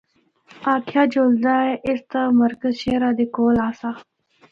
آکھیا جُلدا اے اس دا مرکز شہرا دے کول آسا۔